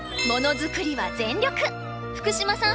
福島さん